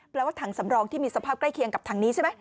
ว่าถังสำรองที่มีสภาพใกล้เคียงกับถังนี้ใช่ไหม